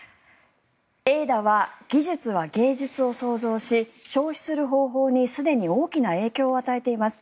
Ａｉ−Ｄａは技術は芸術を創造し消費する方法にすでに大きな影響を与えています。